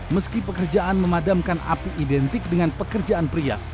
meski pekerjaan memadamkan api identik dengan pekerjaan pria